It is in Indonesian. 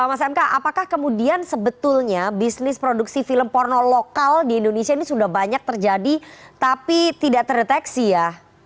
mas mk apakah kemudian sebetulnya bisnis produksi film porno lokal di indonesia ini sudah banyak terjadi tapi tidak terdeteksi ya